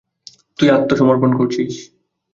তুই আত্মসমর্পণ করছিস!